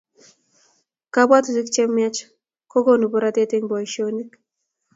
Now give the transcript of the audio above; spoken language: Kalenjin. Kabwatutik chemiach kokonu borotet eng boishonik